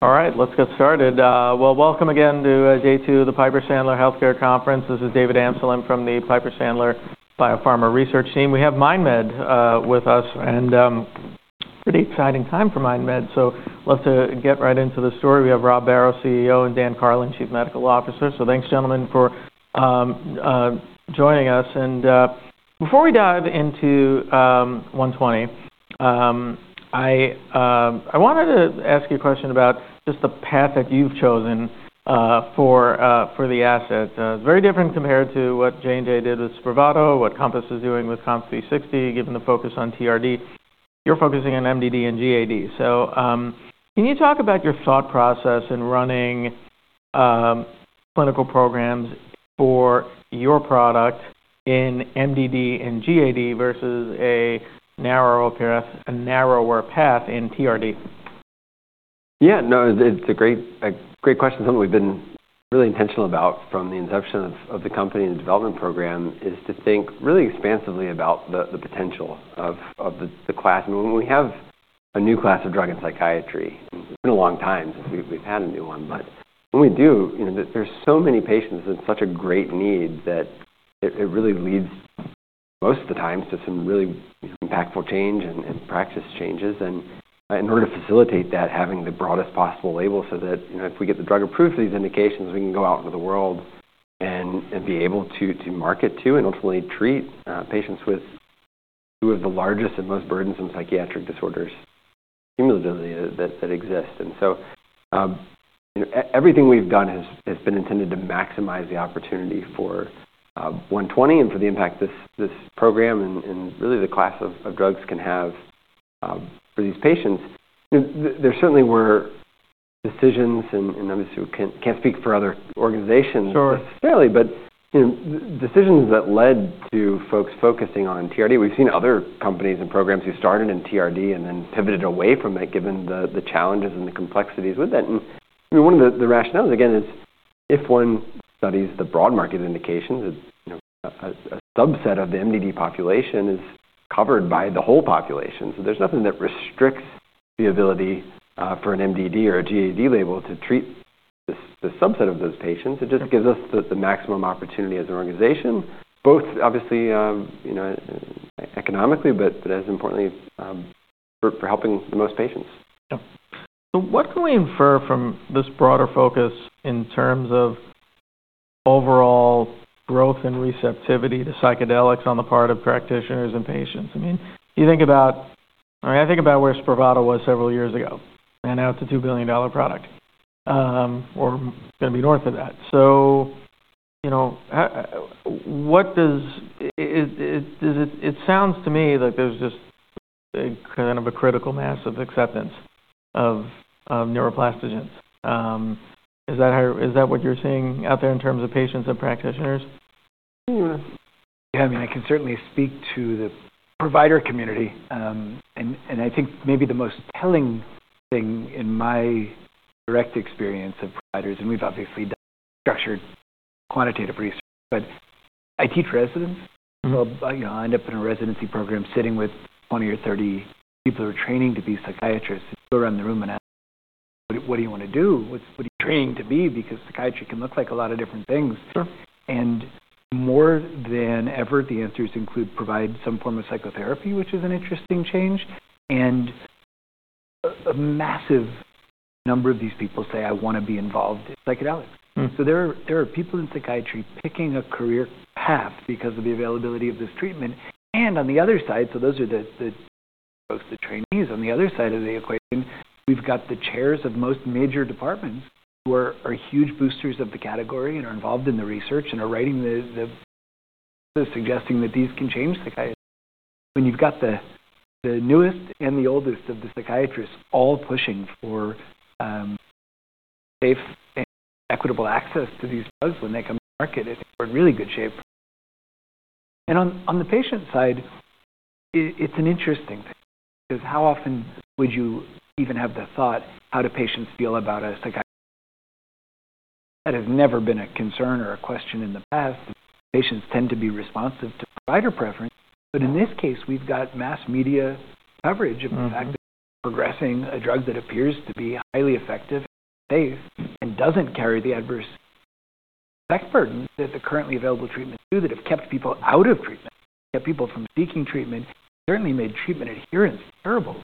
All right, let's get started. Well, welcome again to Day 2 of the Piper Sandler Healthcare Conference. This is David Amsellem from the Piper Sandler Biopharma Research Team. We have Mind Medicine with us, and it's a pretty exciting time for Mind Medicine. So let's get right into the story. We have Rob Barrow, CEO, and Dan Karlin, Chief Medical Officer. So thanks, gentlemen, for joining us. And before we dive into MM-120, I wanted to ask you a question about just the path that you've chosen for the asset. It's very different compared to what J&J did with Spravato, what Compass Pathways is doing with COMP360, given the focus on TRD. You're focusing on MDD and GAD. So can you talk about your thought process in running clinical programs for your product in MDD and GAD versus a narrower path in TRD? Yeah, no, it's a great question. Something we've been really intentional about from the inception of the company and development program is to think really expansively about the potential of the class. And when we have a new class of drug in psychiatry, it's been a long time since we've had a new one. But when we do, there's so many patients in such a great need that it really leads, most of the time, to some really impactful change and practice changes. And in order to facilitate that, having the broadest possible label so that if we get the drug approved for these indications, we can go out into the world and be able to market to and ultimately treat patients with two of the largest and most burdensome psychiatric disorders cumulatively that exist. And so everything we've done has been intended to maximize the opportunity for MM-120 and for the impact this program and really the class of drugs can have for these patients. There certainly were decisions, and I can't speak for other organizations necessarily, but decisions that led to folks focusing on TRD. We've seen other companies and programs who started in TRD and then pivoted away from it, given the challenges and the complexities with it. And one of the rationales, again, is if one studies the broad market indications, a subset of the MDD population is covered by the whole population. So there's nothing that restricts the ability for an MDD or a GAD label to treat the subset of those patients. It just gives us the maximum opportunity as an organization, both obviously economically, but as importantly for helping the most patients. So what can we infer from this broader focus in terms of overall growth and receptivity to psychedelics on the part of practitioners and patients? I mean, you think about, I think about where Spravato was several years ago, and now it's a $2 billion product, or going to be north of that. So it sounds to me like there's just kind of a critical mass of acceptance of neuroplastic agents. Is that what you're seeing out there in terms of patients and practitioners? Yeah, I mean, I can certainly speak to the provider community. And I think maybe the most telling thing in my direct experience of providers, and we've obviously done structured quantitative research, but I teach residents. I end up in a residency program sitting with 20 or 30 people who are training to be psychiatrists. I go around the room and ask, "What do you want to do? What are you training to be?" Because psychiatry can look like a lot of different things. And more than ever, the answers include provide some form of psychotherapy, which is an interesting change. And a massive number of these people say, "I want to be involved in psychedelics." So there are people in psychiatry picking a career path because of the availability of this treatment. And on the other side, so those are the folks, the trainees on the other side of the equation, we've got the chairs of most major departments who are huge boosters of the category and are involved in the research and are writing, suggesting that these can change psychiatry. When you've got the newest and the oldest of the psychiatrists all pushing for safe and equitable access to these drugs when they come to market, it's in really good shape. And on the patient side, it's an interesting thing because how often would you even have the thought, "How do patients feel about a psychiatric treatment?" That has never been a concern or a question in the past. Patients tend to be responsive to provider preference. But in this case, we've got mass media coverage of the fact that progressing a drug that appears to be highly effective and safe and doesn't carry the adverse effect burden that the currently available treatments do that have kept people out of treatment, kept people from seeking treatment, certainly made treatment adherence terrible.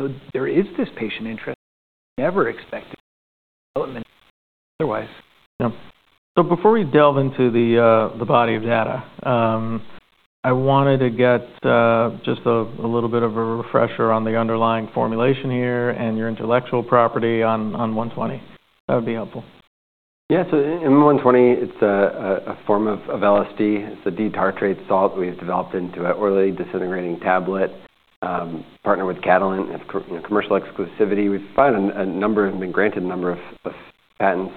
So there is this patient interest we never expected development otherwise. So before we delve into the body of data, I wanted to get just a little bit of a refresher on the underlying formulation here and your intellectual property on MM-120. That would be helpful. Yeah, so in MM-120, it's a form of LSD. It's a D-tartrate salt we've developed into an orally disintegrating tablet, partnered with Catalent in commercial exclusivity. We've filed a number of, been granted a number of patents,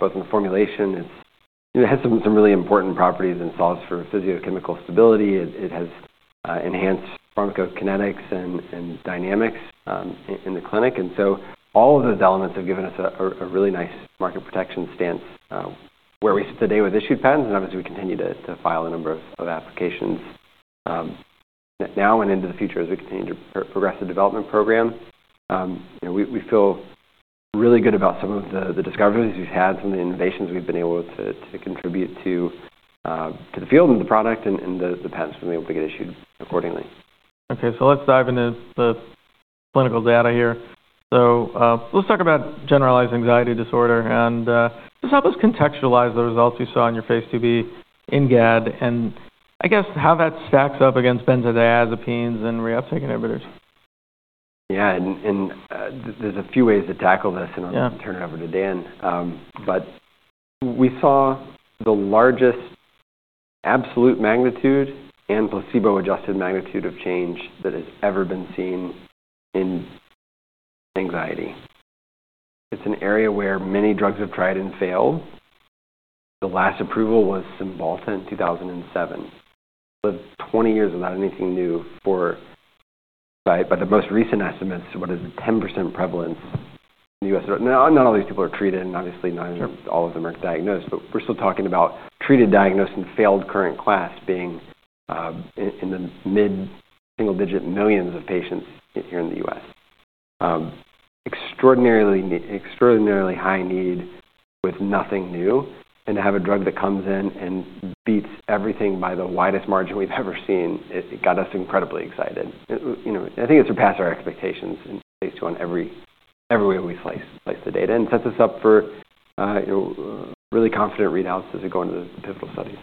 both in formulation. It has some really important properties and solves for physicochemical stability. It has enhanced pharmacokinetics and pharmacodynamics in the clinic. And so all of those elements have given us a really nice market protection stance where we sit today with issued patents. And obviously, we continue to file a number of applications now and into the future as we continue to progress the development program. We feel really good about some of the discoveries we've had, some of the innovations we've been able to contribute to the field and the product, and the patents have been able to get issued accordingly. Okay, so let's dive into the clinical data here. So let's talk about generalized anxiety disorder. And just help us contextualize the results you saw on your phase II-B in GAD, and I guess how that stacks up against benzodiazepines and reuptake inhibitors. Yeah, and there's a few ways to tackle this, and I'll turn it over to Dan, but we saw the largest absolute magnitude and placebo-adjusted magnitude of change that has ever been seen in anxiety. It's an area where many drugs have tried and failed. The last approval was Cymbalta in 2007. 20 years without anything new for, by the most recent estimates, what is a 10% prevalence in the U.S. Not all these people are treated, and obviously not all of them are diagnosed, but we're still talking about treated, diagnosed, and failed current class being in the mid-single-digit millions of patients here in the U.S. Extraordinarily high need with nothing new, and to have a drug that comes in and beats everything by the widest margin we've ever seen, it got us incredibly excited. I think it surpassed our expectations and placed in every way we slice the data and sets us up for really confident readouts as we go into the pivotal studies.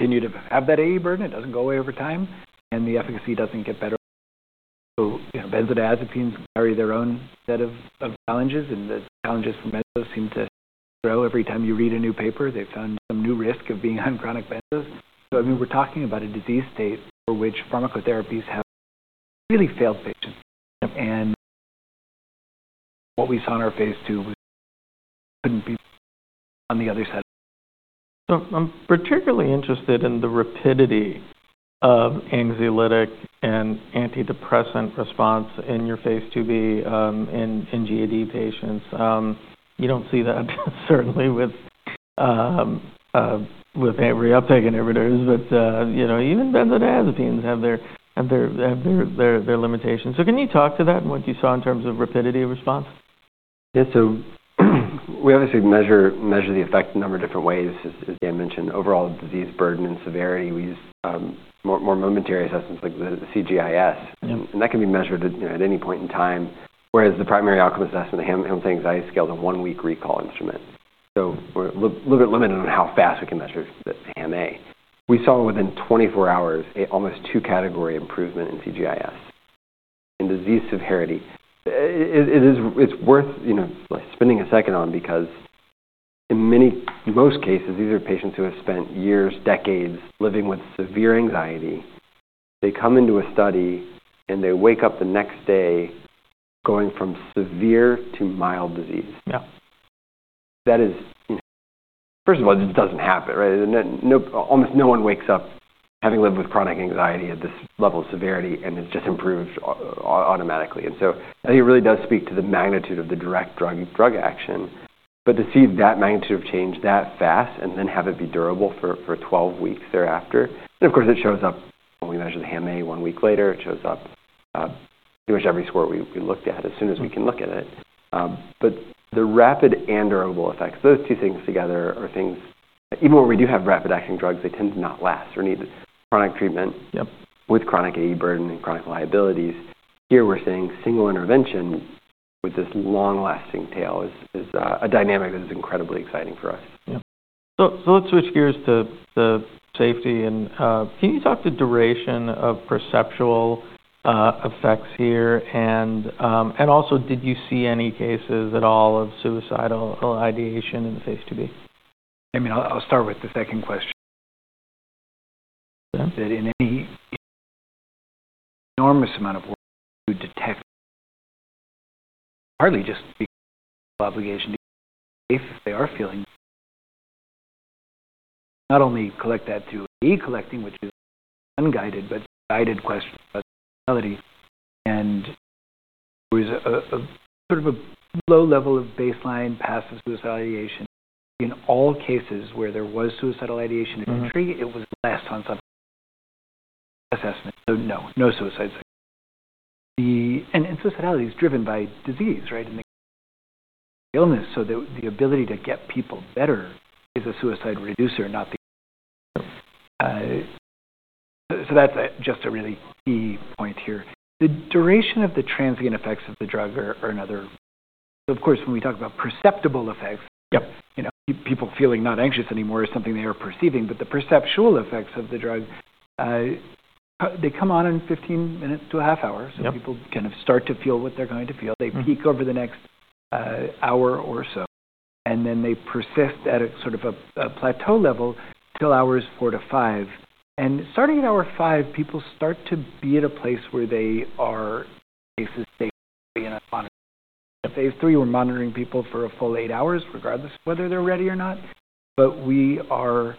Continue to have that AE burden, it doesn't go away over time, and the efficacy doesn't get better. So benzodiazepines carry their own set of challenges, and the challenges for benzos seem to grow every time you read a new paper. They found some new risk of being on chronic benzos. So I mean, we're talking about a disease state for which pharmacotherapies have really failed patients. And what we saw in our phase II couldn't be on the other side. So I'm particularly interested in the rapidity of anxiolytic and antidepressant response in your Phase IIB in GAD patients. You don't see that certainly with reuptake inhibitors, but even benzodiazepines have their limitations. So can you talk to that and what you saw in terms of rapidity of response? Yeah, so we obviously measure the effect in a number of different ways, as Dan mentioned, overall disease burden and severity. We use more momentary assessments like the CGI-S. And that can be measured at any point in time, whereas the primary outcome assessment, the Hamilton Anxiety Scale, is a one-week recall instrument. So we're a little bit limited on how fast we can measure the HAM-A. We saw within 24 hours almost two-category improvement in CGI-S in disease severity. It's worth spending a second on because in most cases, these are patients who have spent years, decades living with severe anxiety. They come into a study, and they wake up the next day going from severe to mild disease. That is, first of all, it just doesn't happen, right? Almost no one wakes up having lived with chronic anxiety at this level of severity, and it's just improved automatically. And so I think it really does speak to the magnitude of the direct drug action. But to see that magnitude of change that fast and then have it be durable for 12 weeks thereafter, and of course, it shows up when we measure the HAM-A one week later, it shows up pretty much every score we looked at as soon as we can look at it. But the rapid and durable effects, those two things together are things that even when we do have rapid-acting drugs, they tend to not last or need chronic treatment with chronic AE burden and chronic liabilities. Here we're seeing single intervention with this long-lasting tail is a dynamic that is incredibly exciting for us. So let's switch gears to safety. And can you talk to duration of perceptual effects here? And also, did you see any cases at all of suicidal ideation in the Phase IIB? I mean, I'll start with the second question. That is an enormous amount of work to detect, partly just because of obligation to be safe if they are feeling, not only collect that through AE collecting, which is unguided, but guided questioning about suicidality. And there was a sort of a low level of baseline passive suicidal ideation. In all cases where there was suicidal ideation at entry, it was less on some assessment. So no, no suicide success. And suicidality is driven by disease, right? Illness. So the ability to get people better is a suicide reducer, not the, so that's just a really key point here. The duration of the transient effects of the drug are another. So of course, when we talk about perceptible effects, people feeling not anxious anymore is something they are perceiving. But the perceptual effects of the drug, they come on in 15 minutes to a half hour. So people kind of start to feel what they're going to feel. They peak over the next hour or so. And then they persist at a sort of a plateau level till hours four to five. And starting at hour five, people start to be at a place where they are in a phase of safety and monitoring. In Phase III, we're monitoring people for a full eight hours regardless of whether they're ready or not. But we are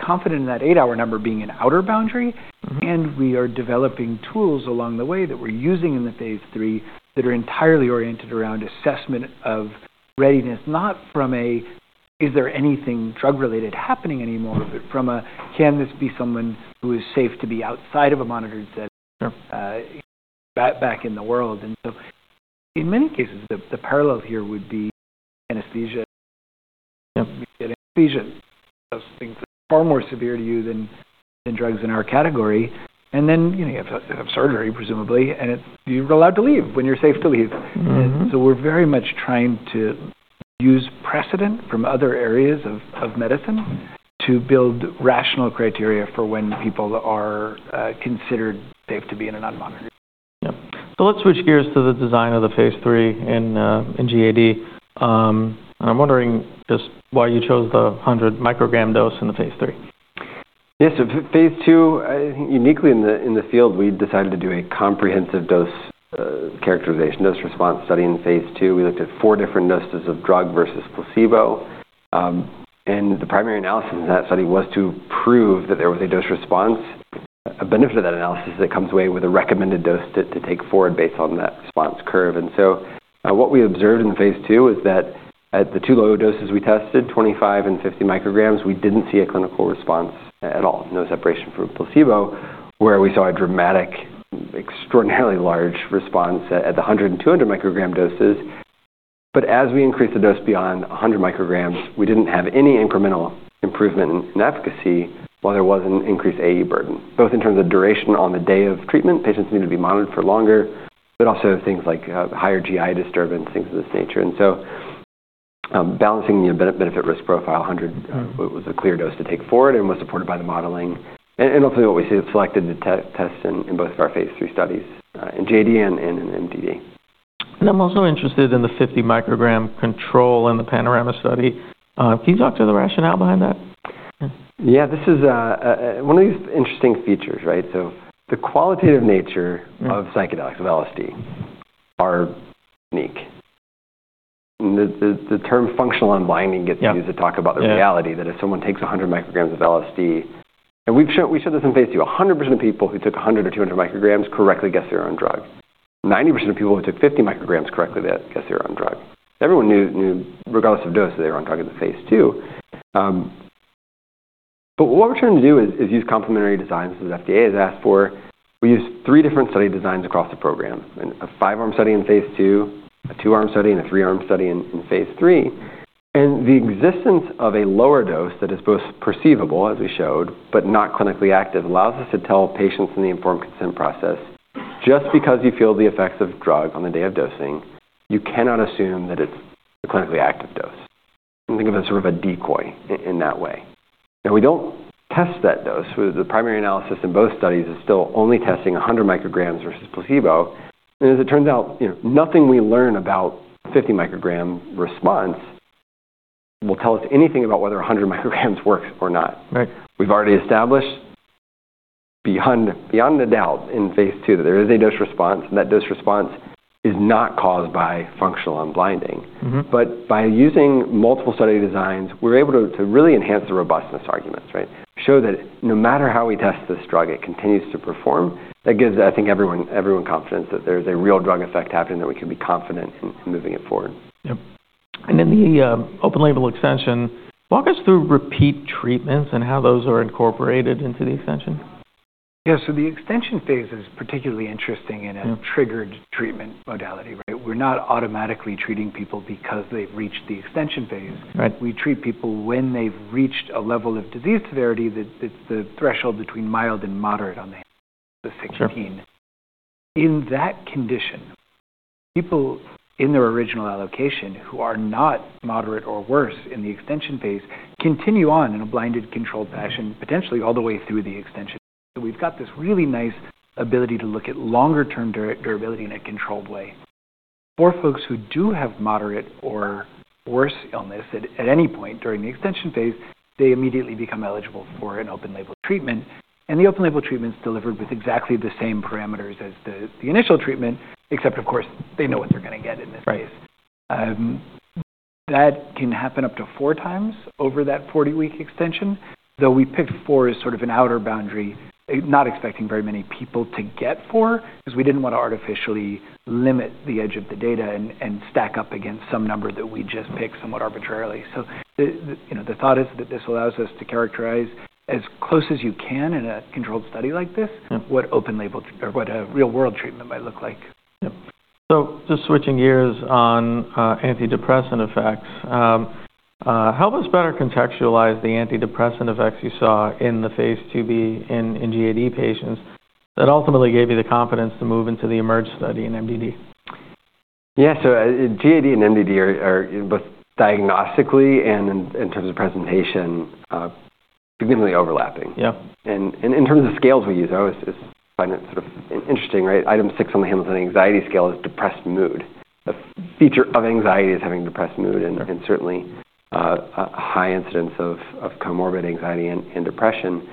confident in that eight-hour number being an outer boundary. We are developing tools along the way that we're using in the Phase III that are entirely oriented around assessment of readiness, not from a, "Is there anything drug-related happening anymore?" but from a, "Can this be someone who is safe to be outside of a monitored setting back in the world?" In many cases, the parallel here would be anesthesia. You get anesthesia. Those things are far more severe to you than drugs in our category, then you have surgery, presumably, and you're allowed to leave when you're safe to leave, so we're very much trying to use precedent from other areas of medicine to build rational criteria for when people are considered safe to be in an unmonitored setting. So let's switch gears to the design of the Phase III in GAD. And I'm wondering just why you chose the 100 microgram dose in the Phase III. Yes, Phase II, I think uniquely in the field, we decided to do a comprehensive dose characterization, dose response study in Phase II. We looked at four different doses of drug versus placebo. And the primary analysis in that study was to prove that there was a dose response. A benefit of that analysis is it comes away with a recommended dose to take forward based on that response curve. And so what we observed in Phase II is that at the two low doses we tested, 25 and 50 micrograms, we didn't see a clinical response at all, no separation from placebo, where we saw a dramatic, extraordinarily large response at the 100 and 200 microgram doses. But as we increased the dose beyond 100 micrograms, we didn't have any incremental improvement in efficacy while there was an increased AE burden, both in terms of duration on the day of treatment, patients needed to be monitored for longer, but also things like higher GI disturbance, things of this nature. And so balancing the benefit-risk profile, 100 was a clear dose to take forward and was supported by the modeling. And ultimately, what we selected to test in both of our Phase III studies in GAD and in MDD. I'm also interested in the 50-microgram control in the Panorama study. Can you talk to the rationale behind that? Yeah, this is one of these interesting features, right? So the qualitative nature of psychedelics, of LSD, are unique. The term functional unwinding gets used to talk about the reality that if someone takes 100 micrograms of LSD, and we showed this in Phase II, 100% of people who took 100 or 200 micrograms correctly guess their own drug. 90% of people who took 50 micrograms correctly guess their own drug. Everyone knew, regardless of dose, that they were on drug in the Phase II. But what we're trying to do is use complementary designs as FDA has asked for. We use three different study designs across the program: a five-arm study in Phase II, a two-arm study, and a three-arm study in Phase III. The existence of a lower dose that is both perceivable, as we showed, but not clinically active, allows us to tell patients in the informed consent process, just because you feel the effects of drug on the day of dosing, you cannot assume that it's a clinically active dose. Think of it as sort of a decoy in that way. Now, we don't test that dose. The primary analysis in both studies is still only testing 100 micrograms versus placebo. As it turns out, nothing we learn about 50-microgram response will tell us anything about whether 100 micrograms works or not. We've already established beyond a doubt in Phase II that there is a dose response, and that dose response is not caused by functional unwinding. By using multiple study designs, we're able to really enhance the robustness arguments, right? Show that no matter how we test this drug, it continues to perform. That gives, I think, everyone confidence that there's a real drug effect happening that we can be confident in moving it forward. In the open-label extension, walk us through repeat treatments and how those are incorporated into the extension. Yeah, so the extension phase is particularly interesting in a triggered treatment modality, right? We're not automatically treating people because they've reached the extension phase. We treat people when they've reached a level of disease severity that's the threshold between mild and moderate on the HAM-A, the 16. In that condition, people in their original allocation who are not moderate or worse in the extension phase continue on in a blinded, controlled fashion, potentially all the way through the extension. So we've got this really nice ability to look at longer-term durability in a controlled way. For folks who do have moderate or worse illness at any point during the extension phase, they immediately become eligible for an open-label treatment. And the open-label treatment's delivered with exactly the same parameters as the initial treatment, except, of course, they know what they're going to get in this case. That can happen up to four times over that 40-week extension, though we picked four as sort of an outer boundary, not expecting very many people to get four because we didn't want to artificially limit the edge of the data and stack up against some number that we just picked somewhat arbitrarily. So the thought is that this allows us to characterize as close as you can in a controlled study like this what open-label or what a real-world treatment might look like. So just switching gears on antidepressant effects, how best better contextualize the antidepressant effects you saw in the Phase IIB in GAD patients that ultimately gave you the confidence to move into the EMERGE study in MDD? Yeah, so GAD and MDD are both diagnostically and in terms of presentation significantly overlapping. And in terms of scales we use, I always find it sort of interesting, right? Item six on the Hamilton Anxiety Scale is depressed mood. A feature of anxiety is having depressed mood and certainly a high incidence of comorbid anxiety and depression.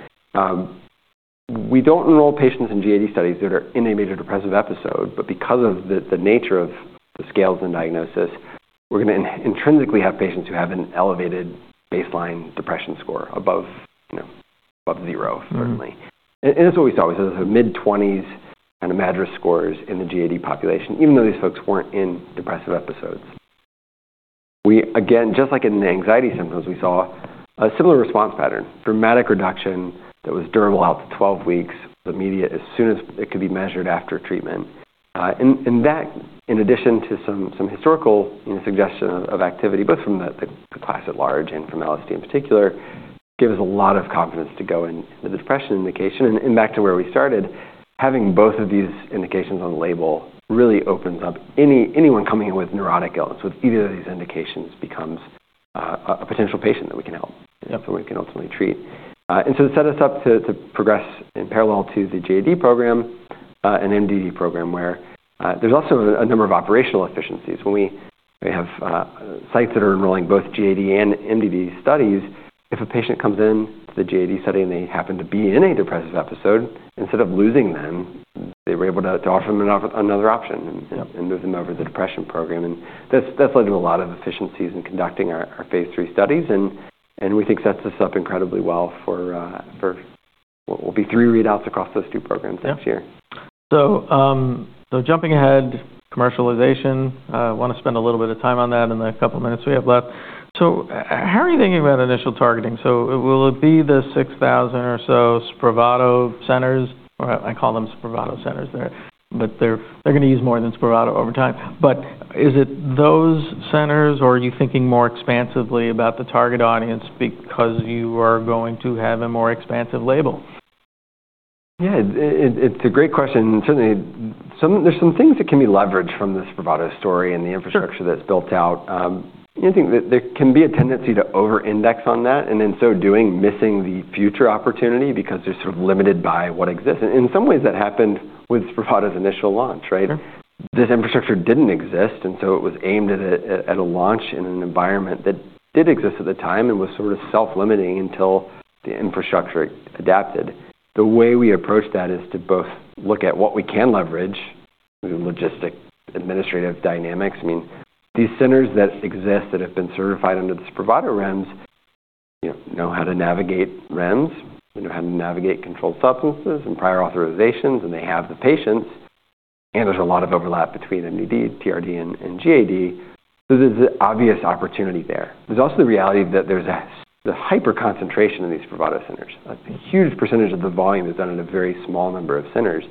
We don't enroll patients in GAD studies that are in a major depressive episode, but because of the nature of the scales and diagnosis, we're going to intrinsically have patients who have an elevated baseline depression score above zero, certainly. And that's what we saw. We saw mid-20s kind of MADRS scores in the GAD population, even though these folks weren't in depressive episodes. Again, just like in the anxiety symptoms, we saw a similar response pattern, dramatic reduction that was durable out to 12 weeks, immediate as soon as it could be measured after treatment. And that, in addition to some historical suggestion of activity, both from the class at large and from LSD in particular, gives us a lot of confidence to go into the depression indication. And back to where we started, having both of these indications on the label really opens up anyone coming in with neurotic illness, with either of these indications, becomes a potential patient that we can help, that we can ultimately treat. And so it set us up to progress in parallel to the GAD program and MDD program, where there's also a number of operational efficiencies. When we have sites that are enrolling both GAD and MDD studies, if a patient comes into the GAD study and they happen to be in a depressive episode, instead of losing them, they were able to offer them another option and move them over to the depression program, and that's led to a lot of efficiencies in conducting our phase III studies, and we think sets us up incredibly well for what will be three readouts across those two programs next year. So, jumping ahead, commercialization. I want to spend a little bit of time on that in the couple of minutes we have left. So, how are you thinking about initial targeting? So, will it be the 6,000 or so Spravato centers? I call them Spravato centers there, but they're going to use more than Spravato over time. But is it those centers, or are you thinking more expansively about the target audience because you are going to have a more expansive label? Yeah, it's a great question, and certainly, there's some things that can be leveraged from the Spravato story and the infrastructure that's built out. I think there can be a tendency to over-index on that, and in so doing, missing the future opportunity because they're sort of limited by what exists, and in some ways, that happened with Spravato's initial launch, right? This infrastructure didn't exist, and so it was aimed at a launch in an environment that did exist at the time and was sort of self-limiting until the infrastructure adapted. The way we approach that is to both look at what we can leverage, logistical, administrative dynamics. I mean, these centers that exist that have been certified under the Spravato REMS know how to navigate REMS, know how to navigate controlled substances and prior authorizations, and they have the patients. There's a lot of overlap between MDD, TRD, and GAD. There's an obvious opportunity there. There's also the reality that there's a hyper-concentration of these Spravato centers. A huge percentage of the volume is done in a very small number of centers.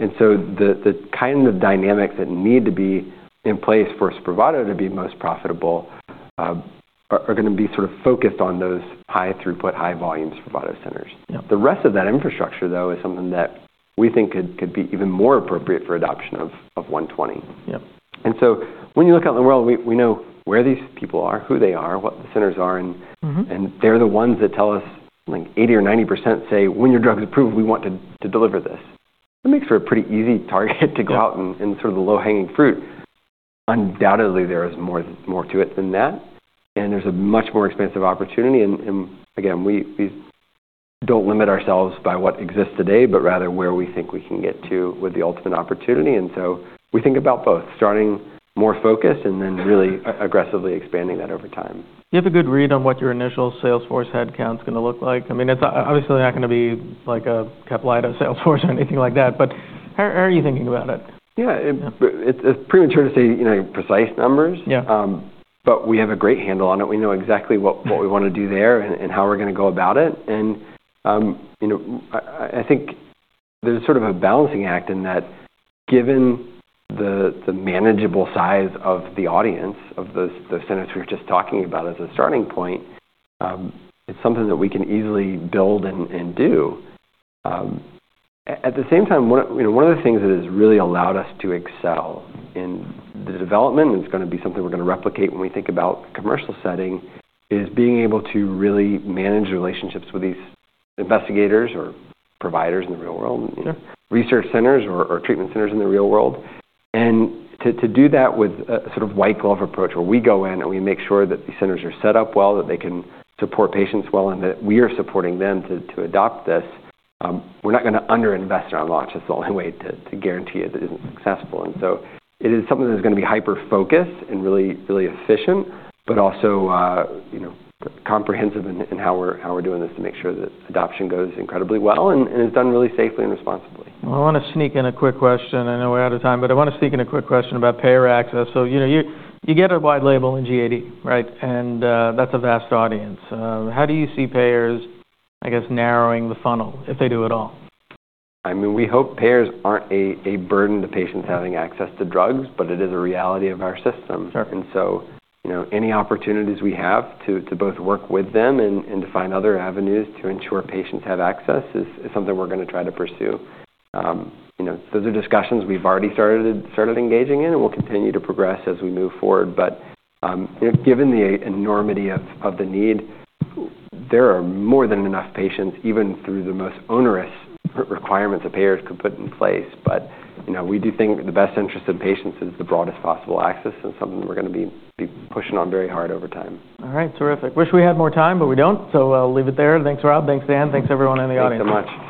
The kind of dynamics that need to be in place for Spravato to be most profitable are going to be sort of focused on those high-throughput, high-volume Spravato centers. The rest of that infrastructure, though, is something that we think could be even more appropriate for adoption of MM-120. And so when you look out in the world, we know where these people are, who they are, what the centers are, and they're the ones that tell us, like 80% or 90% say, "When your drug's approved, we want to deliver this." That makes for a pretty easy target to go out and sort of the low-hanging fruit. Undoubtedly, there is more to it than that, and there's a much more expansive opportunity. And again, we don't limit ourselves by what exists today, but rather where we think we can get to with the ultimate opportunity. And so we think about both, starting more focused and then really aggressively expanding that over time. Do you have a good read on what your initial sales force headcount's going to look like? I mean, it's obviously not going to be like a Caplyta sales force or anything like that, but how are you thinking about it? Yeah, it's premature to say precise numbers, but we have a great handle on it. We know exactly what we want to do there and how we're going to go about it. And I think there's sort of a balancing act in that given the manageable size of the audience of the centers we were just talking about as a starting point, it's something that we can easily build and do. At the same time, one of the things that has really allowed us to excel in the development, and it's going to be something we're going to replicate when we think about commercial setting, is being able to really manage relationships with these investigators or providers in the real world, research centers or treatment centers in the real world. And to do that with a sort of white-glove approach where we go in and we make sure that these centers are set up well, that they can support patients well, and that we are supporting them to adopt this, we're not going to under-invest in our launch. That's the only way to guarantee it isn't successful. And so it is something that's going to be hyper-focused and really efficient, but also comprehensive in how we're doing this to make sure that adoption goes incredibly well and is done really safely and responsibly. I want to sneak in a quick question. I know we're out of time, but I want to sneak in a quick question about payer access. So you get a wide label in GAD, right? And that's a vast audience. How do you see payers, I guess, narrowing the funnel, if they do at all? I mean, we hope payers aren't a burden to patients having access to drugs, but it is a reality of our system, and so any opportunities we have to both work with them and to find other avenues to ensure patients have access is something we're going to try to pursue. Those are discussions we've already started engaging in, and we'll continue to progress as we move forward, but given the enormity of the need, there are more than enough patients, even through the most onerous requirements that payers could put in place, but we do think the best interest of patients is the broadest possible access, and it's something we're going to be pushing on very hard over time. All right, terrific. Wish we had more time, but we don't. So I'll leave it there. Thanks, Rob. Thanks, Dan. Thanks, everyone in the audience. Thanks so much.